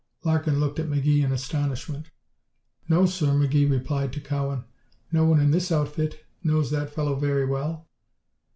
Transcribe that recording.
Larkin looked at McGee in astonishment. "No, sir," McGee replied to Cowan, "no one in this outfit knows that fellow very well."